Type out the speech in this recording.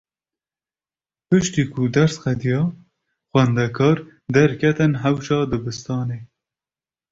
Piştî ku ders qediya, xwendekar derketin hewşa dibistanê.